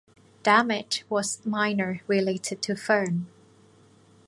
Damage was minor related to Fern.